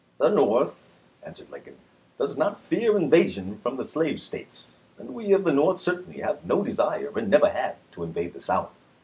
" The North," answered Lincoln, " does not fear invasion from the slave States, and we of the North certainly have no desire, and never had, to invade the South.